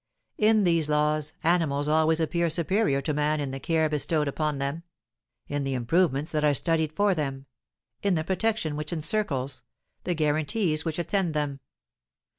In these laws, animals always appear superior to man in the care bestowed upon them; in the improvements that are studied for them; in the protection which encircles, the guarantees which attend them.